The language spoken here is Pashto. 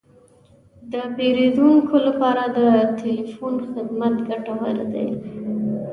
د پیرودونکو لپاره د تلیفون خدمت ګټور دی.